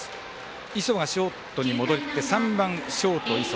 磯がショートに戻って３番ショート、磯。